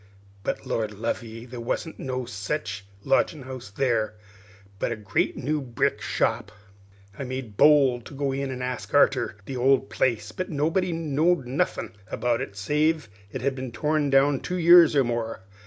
But, Lord love ye, there wasn't no sech lodgin' house there, but a great new brick shop. "I made bold to go in an' ask arter the old place, but nobody knowed nothin' about it, save as it had been torn down two years or more.